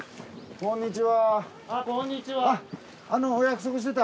こんにちは。